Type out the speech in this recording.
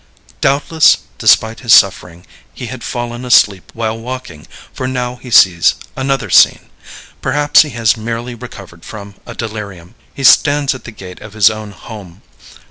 Doubtless, despite his suffering, he had fallen asleep while walking, for now he sees another scene perhaps he has merely recovered from a delirium. He stands at the gate of his own home.